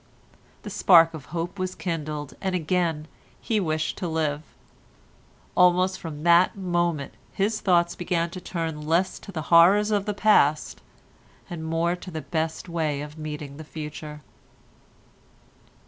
The spark of hope was kindled, and again he wished to live. Almost from that moment his thoughts began to turn less to the horrors of the past, and more to the best way of meeting the future.